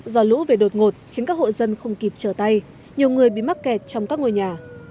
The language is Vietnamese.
do lũ về đột ngột khiến các hộ dân không kịp trở tay nhiều người bị mắc kẹt trong các ngôi nhà